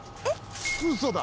「ウソだ！」